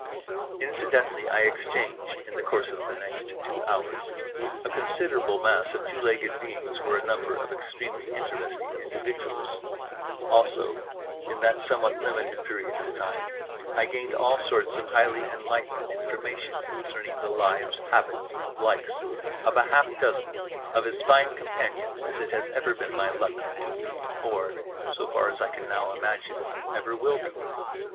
Incidentally, I exchanged (in the course of the next two hours) a considerable mass of two legged beings for a number of extremely interesting individuals. Also, in that somewhat limited period of time, I gained all sorts of highly enlightening information concerning the lives, habits and likes of half a dozen of as fine companions as it has ever been my luck to meet or, so far as I can now imagine, ever will be.